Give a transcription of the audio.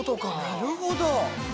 なるほど。